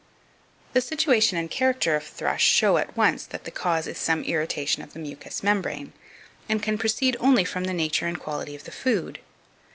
2528. The situation and character of thrush show at once that the cause is some irritation of the mucous membrane, and can proceed only from the nature and quality of the food.